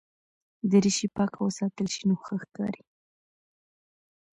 دریشي پاکه وساتل شي نو ښه ښکاري.